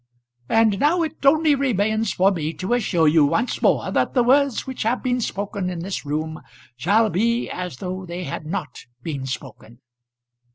"And now it only remains for me to assure you once more that the words which have been spoken in this room shall be as though they had not been spoken."